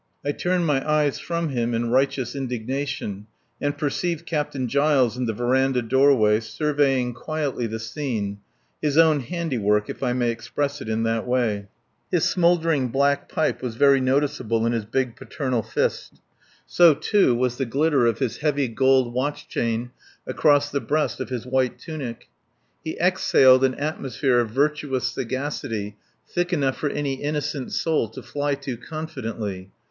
I turned my eyes from him in righteous indignation, and perceived Captain Giles in the verandah doorway surveying quietly the scene, his own handiwork, if I may express it in that way. His smouldering black pipe was very noticeable in his big, paternal fist. So, too, was the glitter of his heavy gold watch chain across the breast of his white tunic. He exhaled an atmosphere of virtuous sagacity serene enough for any innocent soul to fly to confidently.